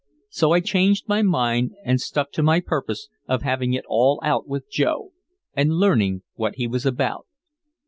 So I changed my mind and stuck to my purpose of having it all out with Joe and learning what he was about.